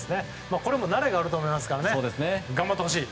これも慣れがあると思いますから頑張ってほしい。